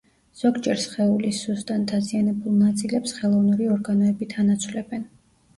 ზოგჯერ სხეულის სუსტ ან დაზიანებულ ნაწილებს ხელოვნური ორგანოებით ანაცვლებენ.